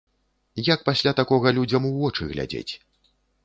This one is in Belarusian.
Як пасля такога людзям у вочы глядзець?